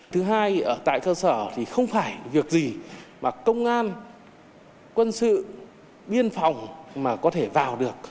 thứ hai ở tại cơ sở thì không phải việc gì mà công an quân sự biên phòng mà có thể vào được